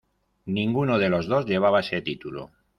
Ninguno de los dos llevaba ese título.